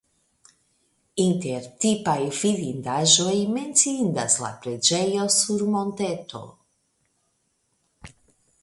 Inter tipaj vidindaĵoj menciindas la preĝejo sur monteto.